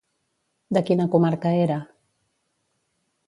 De quina comarca era?